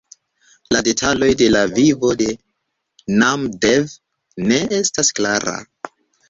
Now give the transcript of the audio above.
La detaloj de la vivo de Namdev ne estas klara.